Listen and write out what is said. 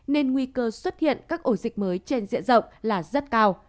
nên nguy cơ xuất hiện các ổ dịch mới trên diện rộng là rất cao